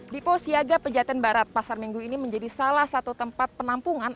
depo siaga pejaten barat pasar minggu ini menjadi salah satu tempat penampungan